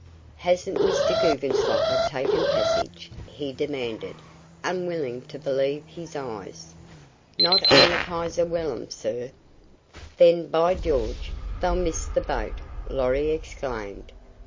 "Hasn't Mr. Guggenslocker taken passage?" he demanded, unwilling to believe his eyes. "Not on the Kaiser Wilhelm, sir." "Then, by George, they'll miss the boat!" Lorry exclaimed.